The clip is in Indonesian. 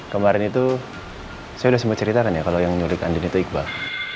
kemarin itu saya sudah sempat ceritakan ya kalau yang nyurik andin itu iqbal